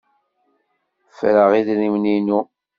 Ffreɣ idrimen-inu.